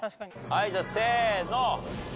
はいじゃあせーの！